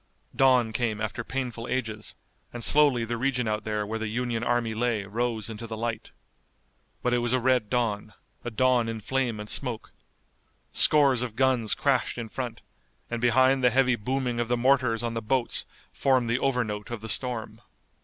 Dawn came after painful ages, and slowly the region out there where the Union army lay rose into the light. But it was a red dawn, a dawn in flame and smoke. Scores of guns crashed in front, and behind the heavy booming of the mortars on the boats formed the overnote of the storm.